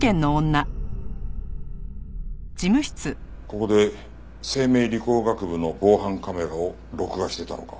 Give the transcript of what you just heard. ここで生命理工学部の防犯カメラを録画してたのか。